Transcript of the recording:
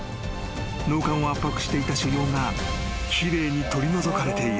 ［脳幹を圧迫していた腫瘍が奇麗に取り除かれている］